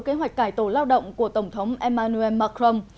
kế hoạch cải tổ lao động của tổng thống emmanuel macron